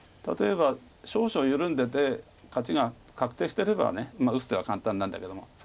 例えば少々緩んでて勝ちが確定してれば打つ手は簡単なんだけども。